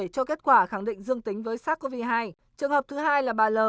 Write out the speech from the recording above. cho kết quả khẳng định dương tính với sars cov hai trường hợp thứ hai là bà l